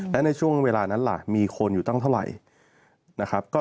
และในช่วงเวลานั้นล่ะมีคนอยู่ตั้งเท่าไหร่นะครับ